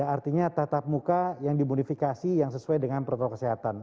artinya tatap muka yang dimodifikasi yang sesuai dengan protokol kesehatan